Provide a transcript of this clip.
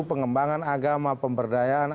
pengembangan agama pemberdayaan